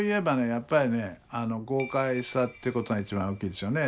やっぱりね豪快さってことが一番大きいですよね。